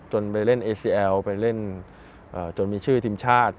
จนไปเล่นเอเซียลไปเล่นเอ่อจนมีชื่อทีมชาติ